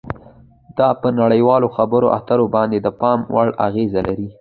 دا په نړیوالو خبرو اترو باندې د پام وړ اغیزه لري